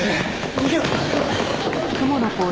逃げろ！